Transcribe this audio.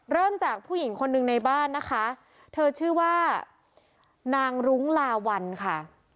เริ่มจากผู้หญิงคนหนึ่งในบ้านนะคะเธอชื่อว่านางรุ้งลาวัลค่ะ